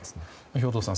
兵頭さん。